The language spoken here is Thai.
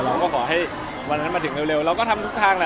เราก็ขอให้วันนั้นมาถึงเร็วเราก็ทำทุกทางแหละ